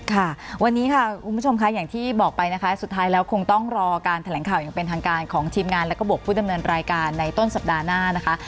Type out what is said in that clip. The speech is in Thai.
ค่ะวันนี้ค่ะคุณผู้ชมค่ะอย่างที่บอกไปนะคะสุดท้ายแล้วคงต้องรอการแถลงข่าวอย่างเป็นทางการของทีมงานแล้วก็บวกผู้ดำเนินรายการในต้นสัปดาห์หน้านะคะ